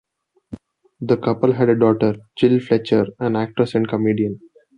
The couple had a daughter, Jill Fletcher, an actress and comedian.